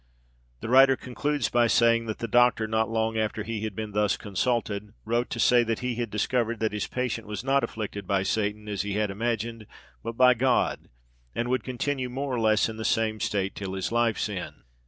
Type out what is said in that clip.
The writer concludes by saying, that "the doctor, not long after he had been thus consulted, wrote to say, that he had discovered that his patient was not afflicted by Satan, as he had imagined, but by God, and would continue more or less in the same state till his life's end."